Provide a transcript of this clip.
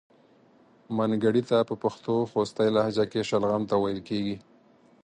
منګړیته په پښتو خوستی لهجه کې شلغم ته ویل کیږي.